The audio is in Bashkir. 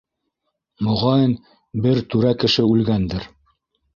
Моғайын, бер түрә кеше үлгәндер.